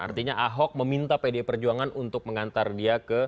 artinya ahok meminta pdi perjuangan untuk mengantar dia ke